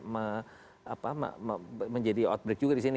menjadi outbreak juga disini